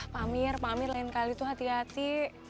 pamir pamir lain kali tuh hati hati